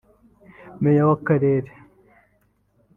Meya w’aka karere